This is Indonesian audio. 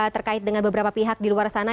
terkait dengan beberapa pihak di luar sana